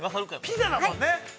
◆ピザだもんね。